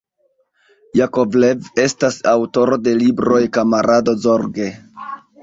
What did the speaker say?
Jakovlev estas aŭtoro de libroj "Kamarado Zorge.